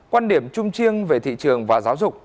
quan điểm chung chiêng về thị trường và giáo dục